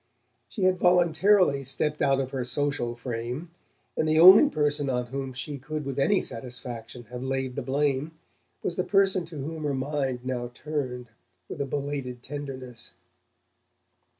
She had voluntarily stepped out of her social frame, and the only person on whom she could with any satisfaction have laid the blame was the person to whom her mind now turned with a belated tenderness.